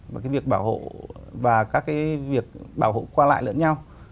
mà cái việc bảo hộ và các cái việc bảo hộ qua lại lẫn nhau